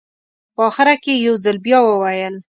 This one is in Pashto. په اخره کې یې یو ځل بیا وویل.